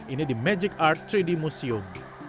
ini di magic art tiga d museum